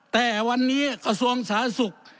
แต่วันนี้กระทรวงสาธารณสุข